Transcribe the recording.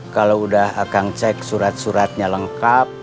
kalo udah akang cek surat suratnya lengkap